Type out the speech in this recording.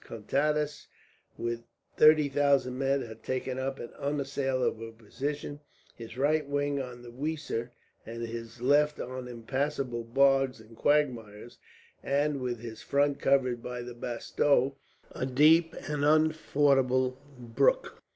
Contades, with thirty thousand men, had taken up an unassailable position: his right wing on the Weser, and his left on impassable bogs and quagmires, and with his front covered by the Bastau, a deep and unfordable brook.